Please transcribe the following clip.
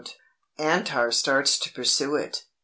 Antar starts to pursue it.